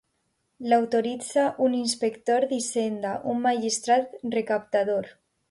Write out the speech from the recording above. L'autoritza un inspector d'hisenda, un magistrat recaptador.